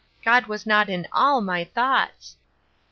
God was not in all my thoughts."